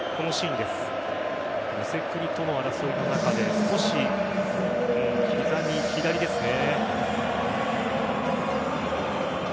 ムセクニとの争いの中で少し膝に、左ですね。